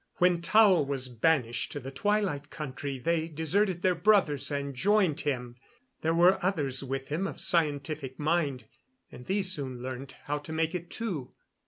"When Tao was banished to the Twilight Country they deserted their brothers and joined him. There were others with him of scientific mind, and these soon learned how to make it, too."